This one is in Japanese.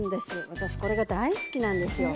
私これが大好きなんですよ。